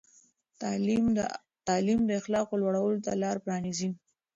تعلیم د اخلاقو لوړولو ته لار پرانیزي.